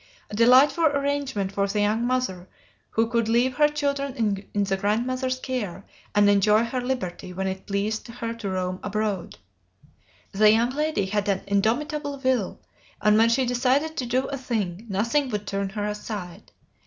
A delightful arrangement for the young mother, who could leave her children in the grandmother's care and enjoy her liberty when it pleased her to roam abroad. The young lady had an indomitable will, and when she decided to do a thing nothing would turn her aside.